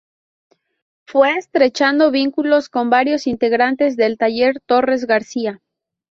Fue estrechando vínculos con varios integrantes del Taller Torres García.